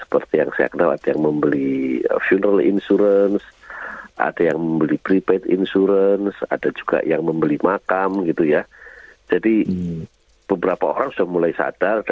petenis peringkat enam dunia on zabur